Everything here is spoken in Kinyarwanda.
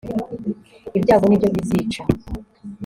Ibyago ni byo bizica